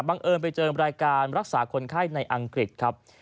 เอิญไปเจอรายการรักษาคนไข้ในอังกฤษครับ